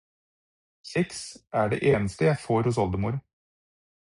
Kjeks er det eneste jeg får hos oldemor.